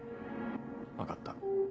分かった。